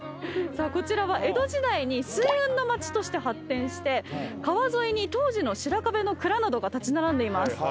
さあこちらは江戸時代に水運の街として発展して川沿いに当時の白壁の蔵などが立ち並んでいます。